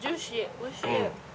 おいしい。